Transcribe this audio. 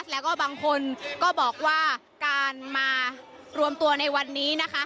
แล้วก็บางคนก็บอกว่าการมารวมตัวในวันนี้นะคะ